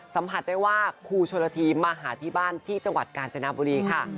สัมผัสได้ว่าครูชนละทีมาหาที่บ้านที่จังหวัดกาญจนบุรีค่ะ